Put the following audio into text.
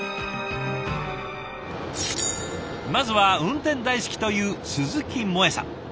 まずは運転大好きという鈴木萌永さん。